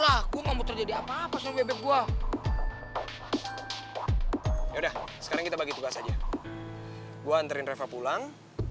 aku mau terjadi apa apa soal bebek gua ya udah sekarang kita bagi tugas aja gua anterin reva pulang